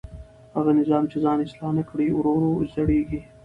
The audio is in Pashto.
هغه نظام چې ځان اصلاح نه کړي ورو ورو زړېږي